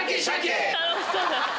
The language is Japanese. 楽しそうだ！